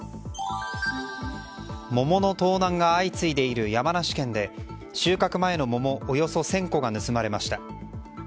桃の盗難が相次いでいる山梨県で収穫前の桃およそ１０００個が盗まれました。